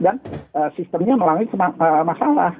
dan sistemnya melangin masalah